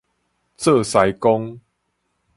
做司公